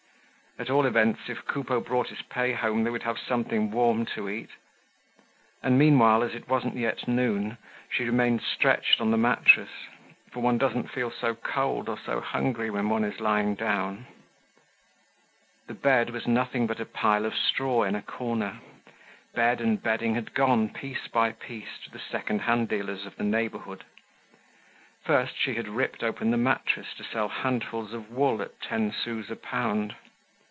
At all events, if Coupeau brought his pay home they would have something warm to eat. And meanwhile, as it wasn't yet noon, she remained stretched on the mattress, for one doesn't feel so cold or so hungry when one is lying down. The bed was nothing but a pile of straw in a corner. Bed and bedding had gone, piece by piece, to the second hand dealers of the neighborhood. First she had ripped open the mattress to sell handfuls of wool at ten sous a pound.